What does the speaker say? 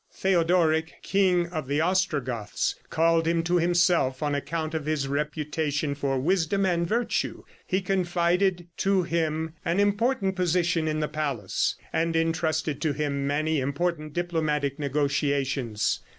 Theodoric, king of the Ostrogoths, called him to himself, on account of his reputation for wisdom and virtue; he confided to him an important position in the palace, and intrusted to him many important diplomatic negotiations.